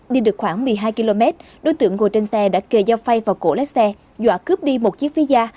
đi được khoảng một mươi hai km đối tượng ngồi trên xe đã kề giao phay vào cổ lái xe dọa cướp đi một chiếc visa